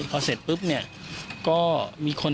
พอเสร็จปุ๊บเนี่ยก็มีคน